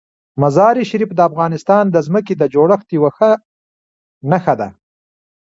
مزارشریف د افغانستان د ځمکې د جوړښت یوه ښه نښه ده.